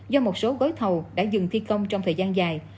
do một số gói thầu đã dừng thi công trong thời gian dài